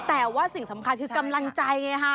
แต่ว่าสิ่งสำคัญคือกำลังใจไงฮะ